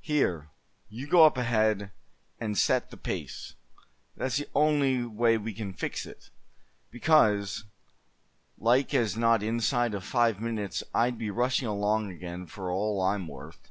Here, you go up ahead, and set the pace. That's the only way we can fix it; because, like as not inside of five minutes I'd be rushing along again for all I'm worth."